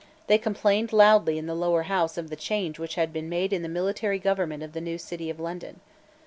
They complained loudly in the Lower House of the change which had been made in the military government of the city of London.